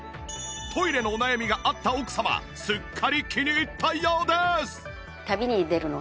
トイレのお悩みがあった奥様すっかり気に入ったようです